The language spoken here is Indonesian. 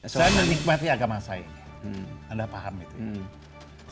saya menikmati agama saya ini anda paham itu ya